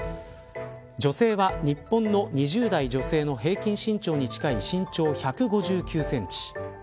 女性は、日本の２０代女性の平均身長に近い身長１５９センチ。